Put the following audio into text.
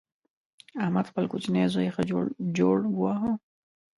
احمد خپل کوچنۍ زوی ښه جوړ جوړ وواهه.